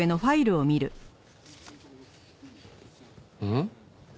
ん？